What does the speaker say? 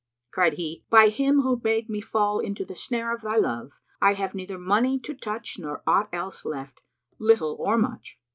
Cried he, "By Him who made me fall into the snare of thy love, I have neither money to touch nor aught else left, little or much!"